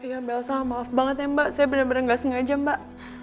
ya mbak elsa maaf banget ya mbak saya benar benar tidak sengaja mbak